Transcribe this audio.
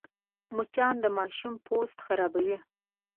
مچان د ماشوم پوست خرابوي